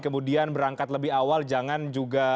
kemudian berangkat lebih awal jangan juga